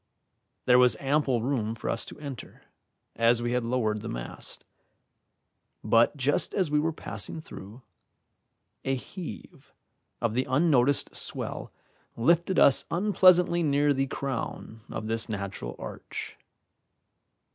There was ample room for us to enter, as we had lowered the mast; but just as we were passing through, a heave of the unnoticed swell lifted us unpleasantly near the crown of this natural arch.